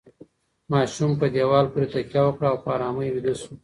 ماشوم په دیوال پورې تکیه وکړه او په ارامۍ ویده شو.